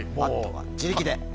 あとは自力で。